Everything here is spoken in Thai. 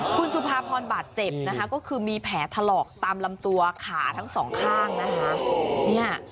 คุณสุภาพรบาดเจ็บนะคะก็คือมีแผลถลอกตามลำตัวขาทั้งสองข้างนะคะ